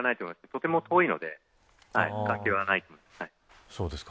とても遠いので関係はないと思いますね。